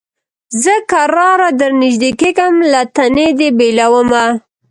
زه کرار درنیژدې کېږم له تنې دي بېلومه